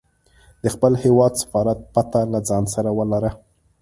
د خپل هیواد سفارت پته له ځانه سره ولره.